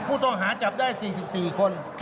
ผู้ต้องหาจับได้๔๔คน